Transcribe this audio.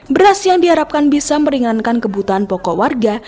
beras yang diharapkan bisa meringankan kebutuhan pokok warga